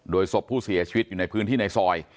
ศพผู้เสียชีวิตอยู่ในพื้นที่ในซอย